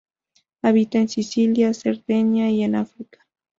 Habita en Sicilia, Cerdeña y en África.